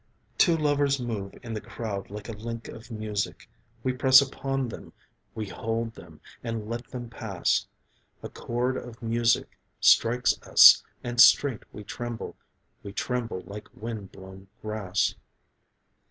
Two lovers move in the crowd like a link of music, We press upon them, we hold them, and let them pass; A chord of music strikes us and straight we tremble; We tremble like wind blown grass.